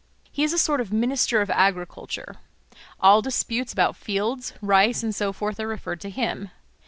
He is a sort of Minister of Agriculture; all disputes about fields, rice, and so forth, are referred to him.